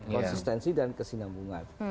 konsistensi dan kesinambungan